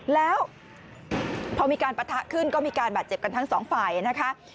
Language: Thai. แล้วพอมีการปะทะขึ้นก็มีการบาดเจ็บกันทั้งสองฝ่ายนะคะ